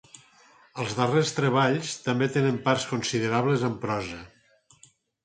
Els darrers treballs també tenen parts considerables en prosa.